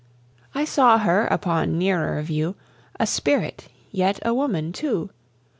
I saw her upon nearer view, A Spirit, yet a Woman too!